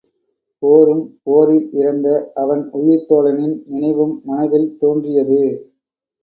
போரும் போரில் இறந்த அவன் உயிர்த் தோழனின் நினைவும் மனதில் தோன்றியது.